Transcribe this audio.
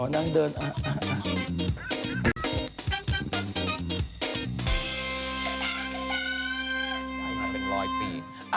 อ๋อนั่งเดินอ่ะ